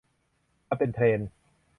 มันเป็นเทรนด์ ?